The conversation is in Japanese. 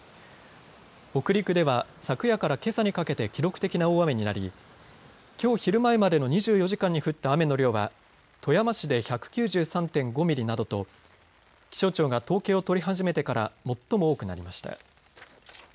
北陸では昨夜からけさにかけて記録的な大雨になりきょう昼前までの２４時間に降った雨の量は富山市で１９３．５ミリなどと気象庁が統計を取り始めてから最も多くなりました。